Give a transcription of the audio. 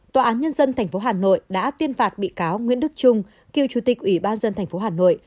tòa án nhân dân tp hà nội đã tuyên phạt bị cáo nguyễn đức trung cựu chủ tịch ủy ban dân thành phố hà nội